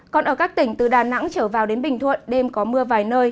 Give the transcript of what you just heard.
còn ở các tỉnh từ đà nẵng trở vào đến bình thuận đêm có mưa vài nơi